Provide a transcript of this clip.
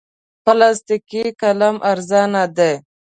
پلاستیکي قلم ارزانه دی.